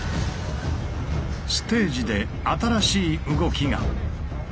ステージで新しい動きが。